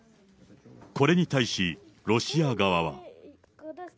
これに対し、ロシア側は。